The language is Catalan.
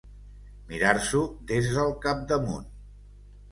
Mirar-s'ho des del capdamunt.